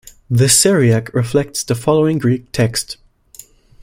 The Syriac reflects the following Greek text.